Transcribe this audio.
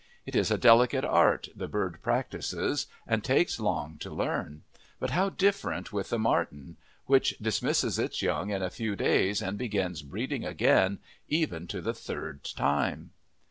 It is a delicate art the bird practises and takes long to learn, but how different with the martin, which dismisses its young in a few days and begins breeding again, even to the third time!